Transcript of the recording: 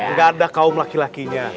nggak ada kaum laki lakinya